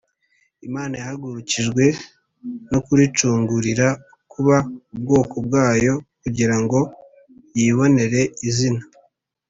Imana yahagurukijwe no kuricungurira kuba ubwoko bwayo kugira ngo yibonere izina